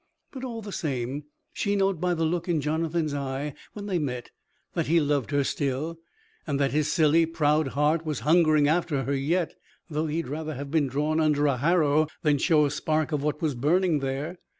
But, all the same, she knowed by the look in Jonathan's eye when they met, that he loved her still, and that his silly, proud heart was hungering after her yet, though he'd rather have been drawn under a harrow than show a spark of what was burning there.